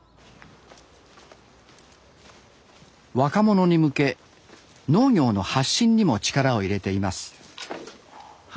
若者に向け農業の発信にも力を入れています。